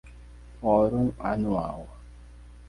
Fórum Anual